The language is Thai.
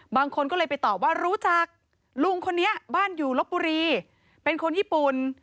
บางคนก็เลยไปตอบว่ารู้จักลุงคนนี้บ้านอยู่ลบบุรีเป็นคนญี่ปุ่น